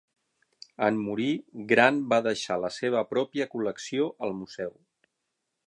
En morir, Grant va deixar la seva pròpia col·lecció al museu.